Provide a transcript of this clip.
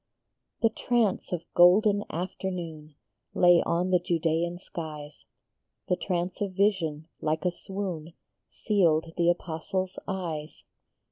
HE trance of golden afternoon Lay on the Judaean skies ; The trance of vision, like a swoon, Sealed the Apostle s eyes.